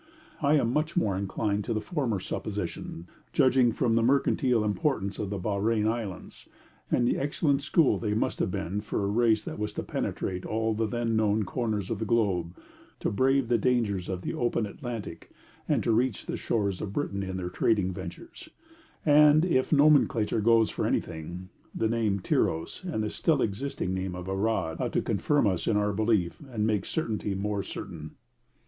I am much more inclined to the former supposition, judging from the mercantile importance of the Bahrein Islands and the excellent school they must have been for a race which was to penetrate to all the then known corners of the globe to brave the dangers of the open Atlantic, and to reach the shores of Britain in their trading ventures; and if nomenclature goes for anything, the name of Tyros and the still existing name of Arad ought to confirm us in our belief and make certainty more certain.